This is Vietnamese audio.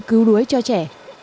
cứu đuối cho trẻ